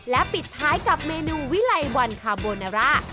และปิดท้ายกับเมนูวิไลวันคาโบนาร่า